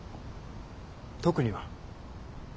特には。